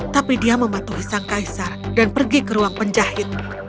tapi dia mematuhi sang kaisar dan pergi ke ruang penjahit